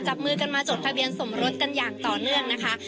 จับมือกันมาจดทะเบียนสมรสกันอย่างต่อเนื่องนะคะ